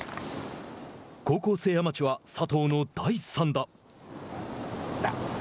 高校生アマチュア佐藤の第３打。